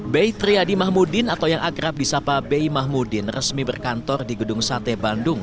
be triadi mahmudin atau yang akrab di sapa be mahmudin resmi berkantor di gedung sate bandung